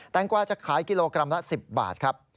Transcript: งกวาจะขายกิโลกรัมละ๑๐บาทครับ